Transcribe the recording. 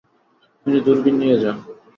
তিনি দূরবীন নিয়ে যান।